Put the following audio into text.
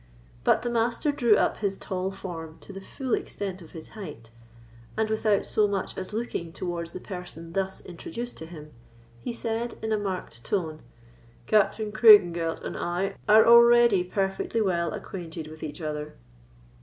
But the Master drew up his tall form to the full extent of his height, and without so much as looking towards the person thus introduced to him, he said, in a marked tone: "Captain Craigengelt and I are already perfectly well acquainted with each other."